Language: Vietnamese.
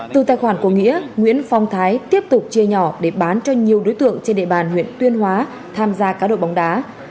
từ tài khoản của nghĩa nguyễn phong thái tiếp tục chia nhỏ để bán cho nhiều đối tượng trên địa bàn huyện tuyên hóa tham gia cá độ bóng đá